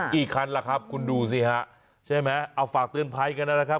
คันล่ะครับคุณดูสิฮะใช่ไหมเอาฝากเตือนภัยกันนะครับ